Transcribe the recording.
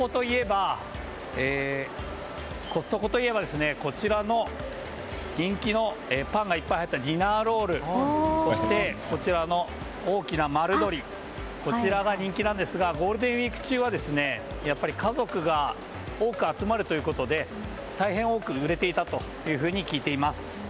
コストコといえば人気のパンがいっぱい入ったディナーロールそして、大きな丸鶏こちらが人気なんですがゴールデンウィーク中はやっぱり家族が多く集まるということで大変、多く売れていたと聞いています。